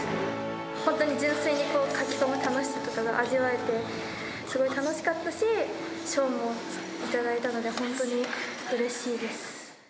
本当に純粋に描き込む楽しさとかが味わえて、すごい楽しかったし、賞も頂いたので、本当にうれしいです。